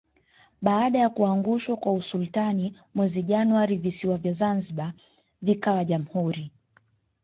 Baada ya kuangushwa kwa usultani mwezi Januari visiwa vya zanzibar vikawa Jamhuri